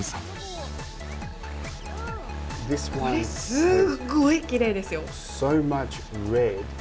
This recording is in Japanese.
すっごいキレイですよ。